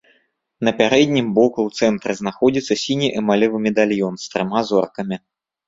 На пярэднім боку ў цэнтры знаходзіцца сіні эмалевы медальён з трыма зоркамі.